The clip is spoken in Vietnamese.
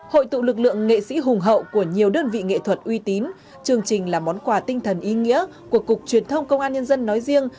hội tụ lực lượng nghệ sĩ hùng hậu của nhiều đơn vị nghệ thuật uy tín chương trình là món quà tinh thần ý nghĩa của cục truyền thông công an nhân dân nói riêng